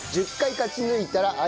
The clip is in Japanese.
１０回勝ち抜いたら『